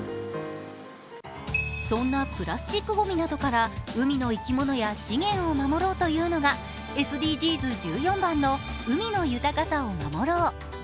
そんなプラスチックごみなどから海の生き物や資源を守ろうというのがＳＤＧｓ１４番の海の豊かさを守ろう。